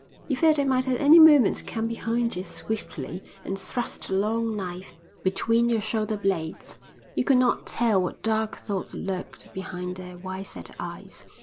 You felt they might at any moment come behind you swiftly and thrust a long knife between your shoulder blades. You could not tell what dark thoughts lurked behind their wide set eyes.